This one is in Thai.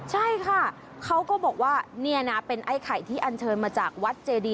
ใช่ค่ะเขาก็บอกว่านี่นะเป็นไอ้ไข่ที่อันเชิญมาจากวัดเจดี